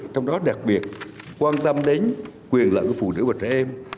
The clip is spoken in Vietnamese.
trong đó đặc biệt quan tâm đến quyền lợi của phụ nữ và trẻ em